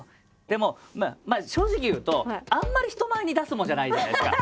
でもまあ正直言うとあんまり人前に出すもんじゃないじゃないですか。